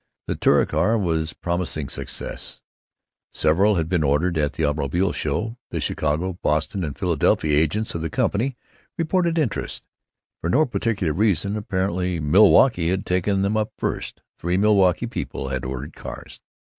The Touricar was promising success. Several had been ordered at the Automobile Show; the Chicago, Boston, and Philadelphia agents of the company reported interest. For no particular reason, apparently, Milwaukee had taken them up first; three Milwaukee people had ordered cars....